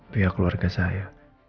pihak keluarga saya